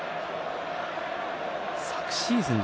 昨シーズン